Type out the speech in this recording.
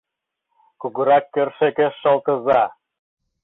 — Кугурак кӧршӧкеш шолтыза.